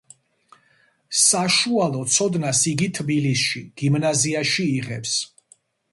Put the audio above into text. საშუალო ცოდნას იგი თბილისში, გიმნაზიაში იღებს.